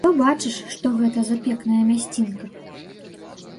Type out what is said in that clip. Пабачыш, што гэта за пекная мясцінка!